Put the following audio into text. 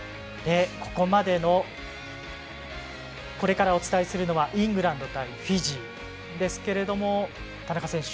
これからお伝えするのはイングランド対フィジーですが田中選手